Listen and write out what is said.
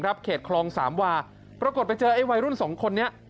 เขตคลองสามวาปรากฏไปเจอไอ้วัยรุ่นสองคนนี้